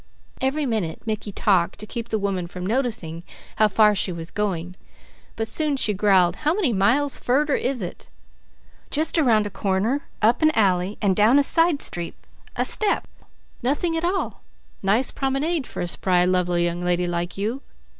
Every minute Mickey talked to keep the woman from noticing how far she was going; but soon she growled: "How many miles furder is it?" "Just around a corner, up an alley, and down a side street a step. Nothing at all! Nice promenade for a spry, lovely young lady like you.